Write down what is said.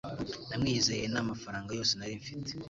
namwizeye namafaranga yose nari mfite